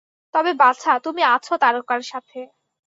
তবে, বাছা, তুমি আছো তারকার সাথে।